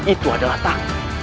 itu adalah tangan